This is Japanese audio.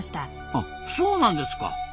あそうなんですか。